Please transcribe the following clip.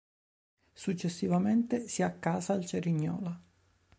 Successivamente si accasa al Cerignola.